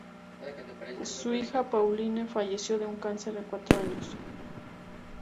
Su hija, Pauline, falleció de un cáncer con cuatro años.